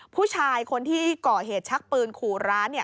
ผู้ชายคนที่ก่อเหตุชักปืนขู่ร้าน